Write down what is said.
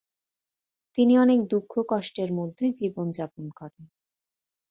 তিনি অনেক দুঃখ-কষ্টের মধ্যে জীবন যাপন করেন।